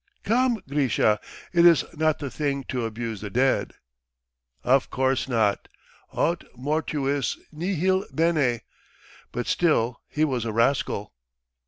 "Come, Grisha, it is not the thing to abuse the dead." "Of course not, aut mortuis nihil bene, but still he was a rascal."